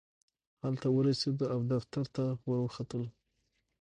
هلته ورسېدو او دفتر ته ورختلو.